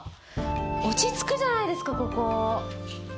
落ち着くじゃないですかここ。